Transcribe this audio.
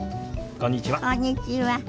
こんにちは。